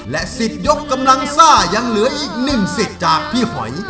และสิทธิ์ยกกำลังซ่ายังเหลืออีกหนึ่งสิทธิ์จากพี่หอย